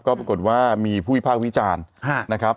ก็ปรากฏว่ามีผู้วิพากษ์วิจารณ์นะครับ